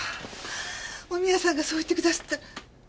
おみやさんがそう言ってくださって。